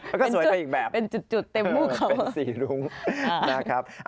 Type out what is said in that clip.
มันก็สวยกว่าอีกแบบเป็นสีรุ้งนะครับเป็นจุดเต็มมุกเขา